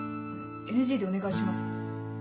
ＮＧでお願いします。